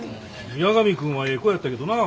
八神君はええ子やったけどなぁ。